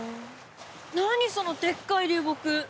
何そのでっかい流木！